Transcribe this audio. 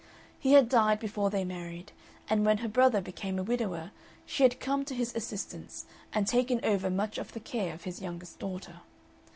He had died before they married, and when her brother became a widower she had come to his assistance and taken over much of the care of his youngest daughter.